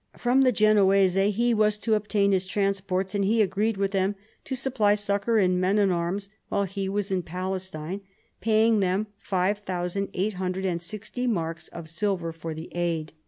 From the Genoese he was to obtain his transports, and he agreed with them to supply succour in men and arms while he was in Palestine, paying them five thousand eight hundred and sixty marks of silver for the aid.